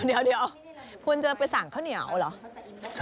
เดี๋ยวคุณจะไปสั่งข้าวเหนียวเหรอ